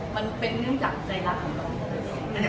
มันเป็นเนื่องจากใจรักของเราเอง